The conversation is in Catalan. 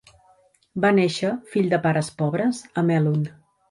Va néixer, fill de pares pobres, a Melun.